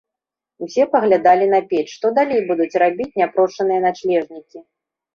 Усе паглядалі на печ, што далей будуць рабіць няпрошаныя начлежнікі.